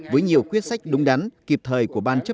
với nhiều quyết sách đúng đắn kịp thời của ban chấp hành